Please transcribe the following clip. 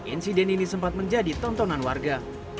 insiden ini sempat menjadi tontonan warga